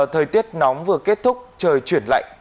thời tiết nóng vừa kết thúc trời chuyển lạnh